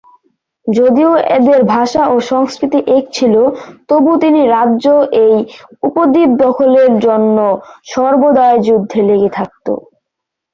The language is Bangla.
যদিও এদের ভাষা ও সংস্কৃতি এক ছিল, তবু তিনি রাজ্য এই উপদ্বীপ দখলের জন্য সর্বদায় যুদ্ধে লেগে থাকত।